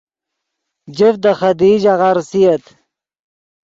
جفت دے خدیئی ژاغہ ریسییت